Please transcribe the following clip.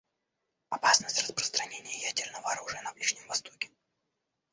Опасность распространения ядерного оружия на Ближнем Востоке.